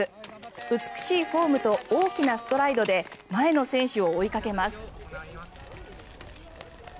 美しいフォームと大きなストライドで前の選手を追いかけます。